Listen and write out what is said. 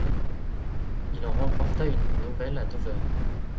Il en remportera une nouvelle à Dover.